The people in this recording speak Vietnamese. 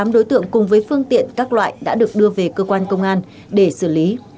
tám đối tượng cùng với phương tiện các loại đã được đưa về cơ quan công an để xử lý